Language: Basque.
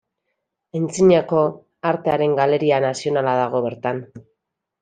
Aintzinako Artearen Galeria Nazionala dago bertan.